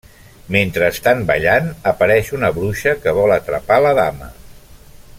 Mentre estan ballant, apareix una bruixa que vol atrapar la dama.